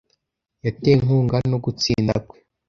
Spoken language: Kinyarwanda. Yatewe inkunga no gutsinda kwe.